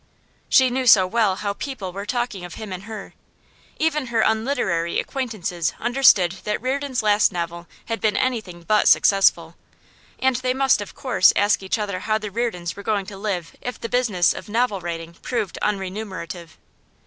She knew so well how 'people' were talking of him and her. Even her unliterary acquaintances understood that Reardon's last novel had been anything but successful, and they must of course ask each other how the Reardons were going to live if the business of novel writing proved unremunerative.